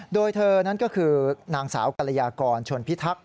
โดยเธอนั้นก็คือนางสาวกรยากรชนพิทักษ